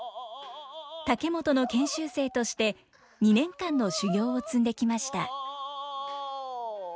竹本の研修生として２年間の修業を積んできました。